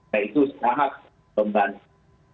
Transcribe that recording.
nah itu sangat membantu